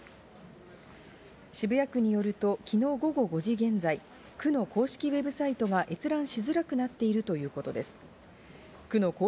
渋谷区によると、昨日午後５時現在、区の公式ウェブサイトが閲覧しづらくなっているということです。